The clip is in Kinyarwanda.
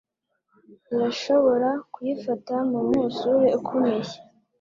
Irashobora kuyifata mu mwuzure ukomeye